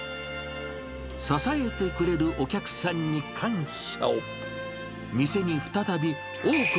支えてくれるお客さんに感謝